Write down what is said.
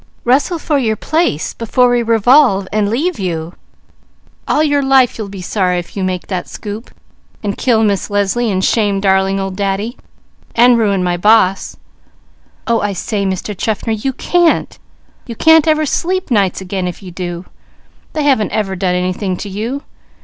Rustle for your place before we revolve and leave you. All your life you'll be sorry if you make that scoop, and kill Miss Leslie, and shame 'darling old Daddy,' and ruin my boss. Oh I say Mr. Chaffner, you can't! You can't ever sleep nights again, if you do! They haven't ever done anything to you.